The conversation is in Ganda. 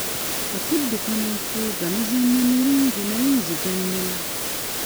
Okudduka n'okuwuga mizannyo mirungi naye nze gyannema.